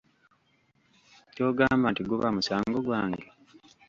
Ky’ogamba nti guba musango gwange?